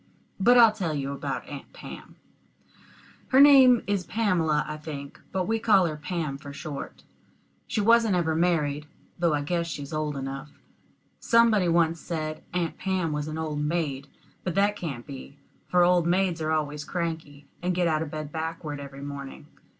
But I'll tell you about Aunt Pam her name is Pamela, I think, but we call her Pam for short. She wasn't ever married, though I guess she's old enough. Somebody once said Aunt Pam was an old maid; but that can't be, for old maids are always cranky, and get out of bed backward every morning.